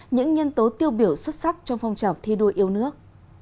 những nhân tố tiêu biểu xuất sắc trong phong trào thi đua yêu nước